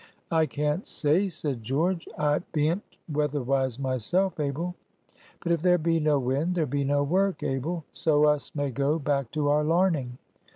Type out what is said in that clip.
"I can't say," said George. "I bean't weatherwise myself, Abel. But if there be no wind, there be no work, Abel; so us may go back to our larning.